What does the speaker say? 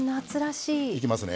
いきますね。